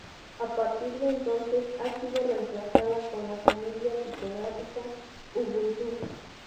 A partir de entonces, ha sido reemplazada con la familia tipográfica Ubuntu.